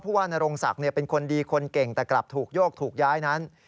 ว่านโรงศักดิ์เป็นคนดีคนเก่งแต่กลับถูกโยกถูกย้ายนั้น